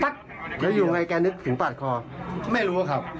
ดูหน่าแกกินเล่า